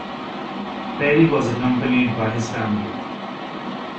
Perry was accompanied by his family.